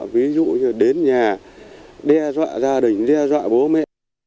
ví dụ như đến nhà đe dọa gia đình đe dọa bố mẹ